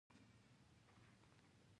د خربوزې دانه د څه لپاره وکاروم؟